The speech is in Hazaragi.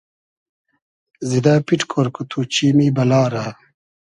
زیدۂ پیݖ کۉر کو تو چیمی بئلا رۂ